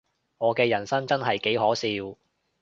我嘅人生真係幾可笑